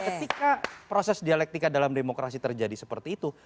ketika proses dialektika dalam demokrasi terjadi seperti itu